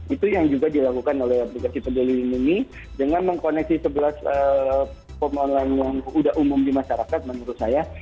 itu yang juga dilakukan oleh aplikasi peduli lindungi dengan mengkoneksi sebelas platform online yang sudah umum di masyarakat menurut saya